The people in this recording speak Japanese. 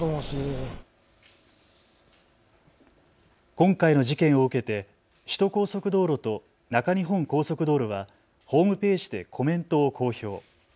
今回の事件を受けて首都高速道路と中日本高速道路はホームページでコメントを公表。